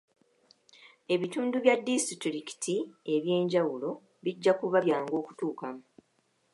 Ebitundu bya disitulikiti eby'enjawulo bijja kuba byangu okutuukamu.